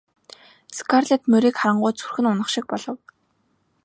Скарлетт морийг харангуут зүрх нь унах шиг болов.